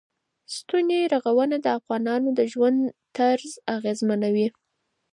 ستوني غرونه د افغانانو د ژوند طرز اغېزمنوي.